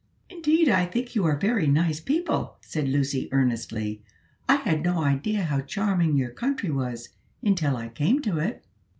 "Indeed, I think you are very nice people," said Lucy, earnestly. "I had no idea how charming your country was, until I came to it."